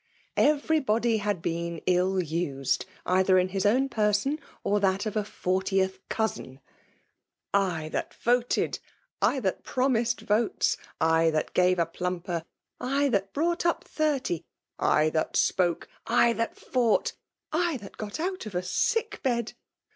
Every body had been ill used^ either in his own perspni or that of a fortieth cousin. " I tht^t voted ^ that promised votes, — I that gave a plumper^ —I that brought up thirty, — I thAt.spQko^ rX Ihat fought, — I that got out of a sick bed